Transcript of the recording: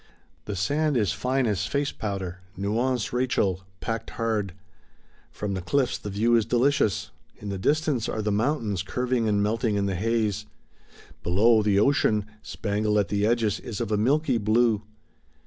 The sand is fine as face powder, nuance Rachel, packed hard. From the cliffs the view is delicious: in the distance are the mountains curving and melting in the haze; below, the ocean, spangled at the edges, is of a milky blue.